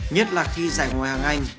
nhất là khi giải ngoài hàng anh